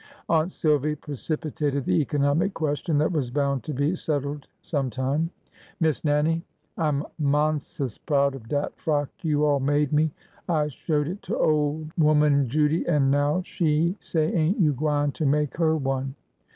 Aunt Silvy precipitated the economic question that was bound to be settled sometime. Miss Nannie, I 'm mons'us proud of dat frock you all made me. I showed it to ole 'oman Judy, an' now she say ain't you gwineter make her one?